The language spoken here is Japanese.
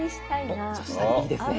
おっ女子旅いいですね。